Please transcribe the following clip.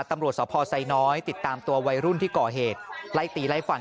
ตำรวจสพไซน้อยติดตามตัววัยรุ่นที่ก่อเหตุไล่ตีไล่ฟัน